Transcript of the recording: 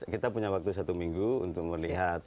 kita punya waktu satu minggu untuk melihat